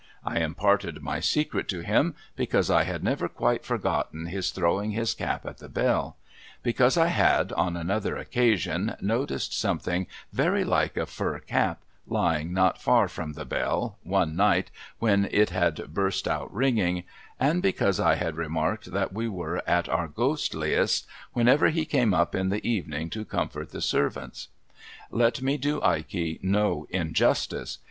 I imparted my secret to him, because I had never quite forgotten his throwing his cap at the bell ; because I had, on another occasion, noticed something very like a fur cap, lying not far from the bell, one night when it had burst out ringing ; and because I had remarked that we were at our ghostliest whenever he came up in the evening to comfort the servants. Let me do Ikey no injustice.